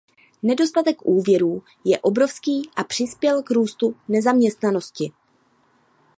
Nedostatek úvěrů je obrovský a přispěl k růstu nezaměstnanosti.